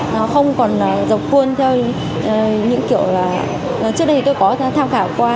nó không còn dọc khuôn theo những kiểu là trước đây tôi có tham khảo qua